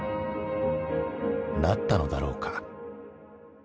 なったのだろうか。